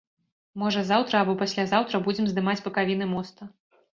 Можа, заўтра або паслязаўтра будзем здымаць бакавіны моста.